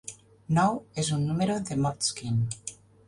Nou és un número de Motzkin.